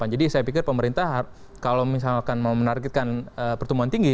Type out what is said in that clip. jadi saya pikir pemerintah kalau misalkan mau menargetkan pertumbuhan tinggi